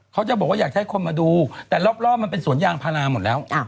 เขาจะบอกว่าอยากให้คนมาดูแต่รอบมันเป็นสวนยางพาราหมดแล้ว